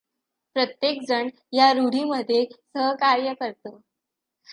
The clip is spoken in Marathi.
प्रत्येकजण ह्या रूढीमध्ये सहकार्य करतो.